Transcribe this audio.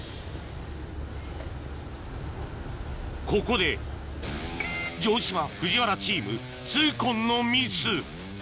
ここで城島・藤原チーム痛恨のミス